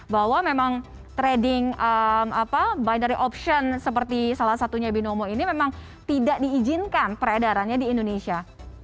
bahwa memang trading binary option seperti salah satunya binomo ini memang tidak diizinkan peredarannya di indonesia